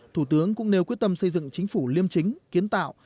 thủ tướng cũng nêu quyết tâm xây dựng chính phủ liêm chính kiến tạo